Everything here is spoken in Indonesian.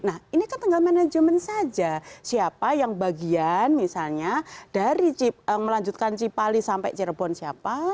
nah ini kan tinggal manajemen saja siapa yang bagian misalnya dari melanjutkan cipali sampai cirebon siapa